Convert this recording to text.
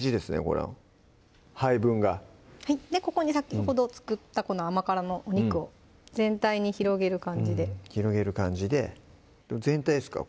この配分がここに先ほど作ったこの甘辛のお肉を全体に広げる感じで全体ですか？